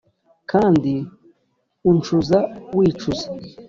kandi uncuza wicuza